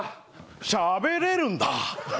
しゃべれるんだ！